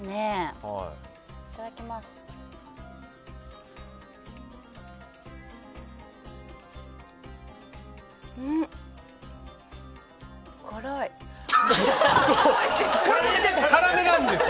いただきます。